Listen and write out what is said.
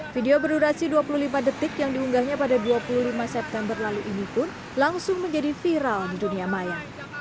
video berdurasi dua puluh lima detik yang diunggahnya pada dua puluh lima september lalu ini pun langsung menjadi viral di dunia maya